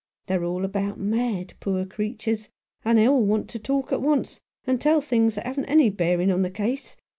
They're all about mad, poor creatures ; and they all want to talk at once, and tell things that haven't any bearing on the case.